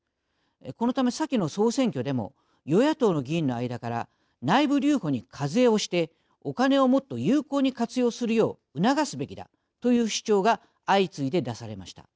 このため、先の総選挙でも与野党の議員の間から内部留保に課税をしておカネをもっと有効に活用するよう促すべきだ、という主張が相次いで出されました。